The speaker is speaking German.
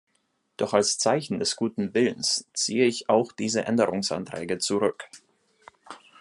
Doch als Zeichen des guten Willens ziehe ich auch diese Änderungsanträge zurück.